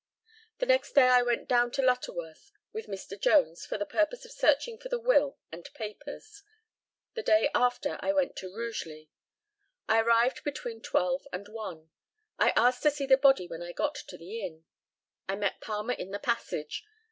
The next day I went down to Lutterworth with Mr. Jones for the purpose of searching for the will and papers. The day after I went to Rugeley. I arrived between twelve and one. I asked to see the body when I got to the inn. I met Palmer in the passage.